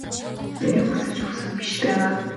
Арай өлсөж үхсэн юм биш байгаа?